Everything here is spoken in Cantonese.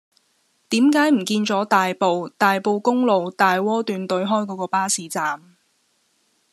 點解唔見左大埔大埔公路大窩段對開嗰個巴士站